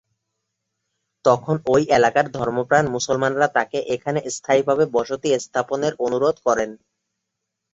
তখন এই এলাকার ধর্মপ্রাণ মুসলমানরা তাঁকে এখানে স্থায়ীভাবে বসতি স্থাপনের অনুরোধ করেন।